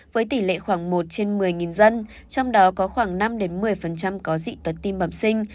với tỷ lệ khoảng một trên một mươi dân trong đó có khoảng năm một mươi có dị tật tim bẩm sinh